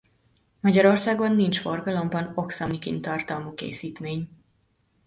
Magyarországon nincs forgalomban oxamnikin-tartalmú készítmény.